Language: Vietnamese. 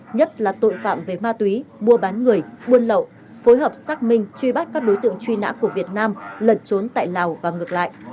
nhất là tội phạm về ma túy mua bán người buôn lậu phối hợp xác minh truy bắt các đối tượng truy nã của việt nam lẩn trốn tại lào và ngược lại